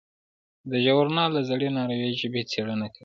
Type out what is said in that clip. دا ژورنال د زړې ناروېي ژبې څیړنه کوي.